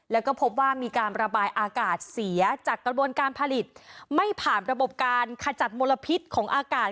แล้วก็พบว่ามีการระบายอากาศเสียจากกระบวนการผลิตไม่ผ่านระบบการขจัดมลพิษของอากาศ